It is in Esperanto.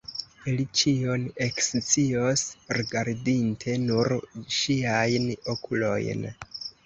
Li ĉion ekscios, rigardinte nur ŝiajn okulojn.